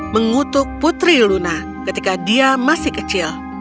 mengutuk putri luna ketika dia masih kecil